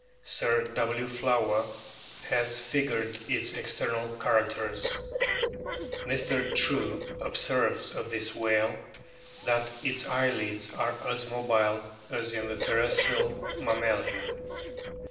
Sir W. Flower has figured its external charac ters, t Mr. True | observes of this whale that its eyelids are as mobile as in the terrestrial mammalia.